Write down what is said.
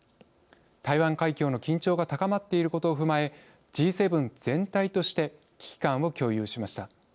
台湾海峡の緊張が高まっていることを踏まえＧ７全体として危機感を共有しました。